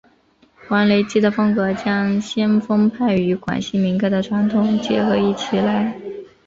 黄雷基的风格将先锋派与广西民歌的传统结合起来。